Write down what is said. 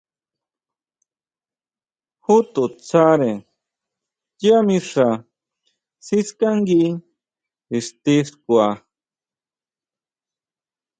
Ju to tsáre yá mixa siskángui ixti xkua.